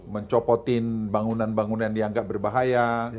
mencopotin bangunan bangunan yang dianggap berbahaya